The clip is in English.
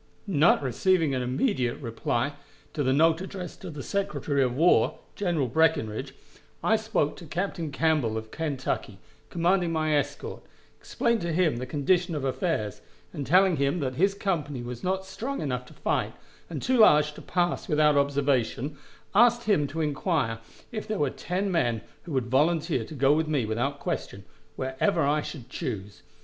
Not receiving an immediate reply to the note addressed to the Secretary of War, General Breckinridge, I spoke to Captain Campbell, of Kentucky, commanding my escort, explained to him the condition of affairs, and telling him that his company was not strong enough to fight, and too large to pass without observation, asked him to inquire if there were ten men who would volunteer to go with me without question wherever I should choose.